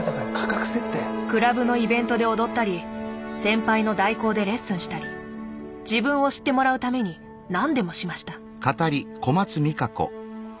クラブのイベントで踊ったり先輩の代行でレッスンしたり自分を知ってもらうために何でもしました。